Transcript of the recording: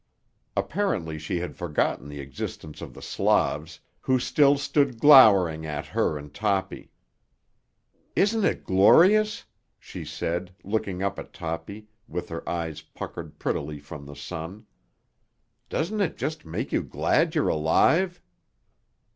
Apparently she had forgotten the existence of the Slavs, who still stood glowering at her and Toppy. "Isn't it glorious?" she said, looking up at Toppy with her eyes puckered prettily from the sun. "Doesn't it just make you glad you're alive?"